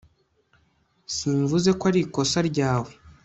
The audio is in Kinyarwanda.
simvuze ko arikosa ryawe